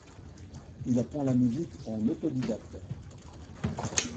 Il apprend la musique en autodidacte.